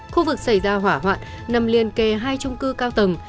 khu vực xảy ra hỏa hoạn nằm liên kề hai trung cư cao tầng